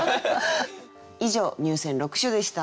以上入選六首でした。